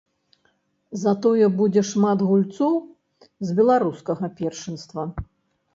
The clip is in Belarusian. Затое будзе шмат гульцоў з беларускага першынства.